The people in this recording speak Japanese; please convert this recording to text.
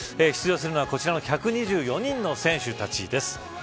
出場するのは、こちらの１２４人の選手たちです。